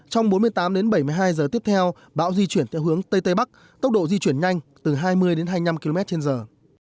trong bốn mươi tám đến bảy mươi hai giờ tiếp theo bão di chuyển theo hướng tây tây bắc tốc độ di chuyển nhanh từ hai mươi đến hai mươi năm km trên giờ